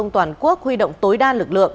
toàn quốc huy động tối đa lực lượng